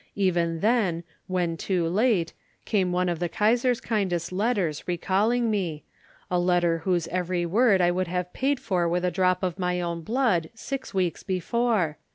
Even then, when too late, came one of the Kaisar's kindest letters, recalling me,—a letter whose every word I would have paid for with a drop of my own blood six weeks before!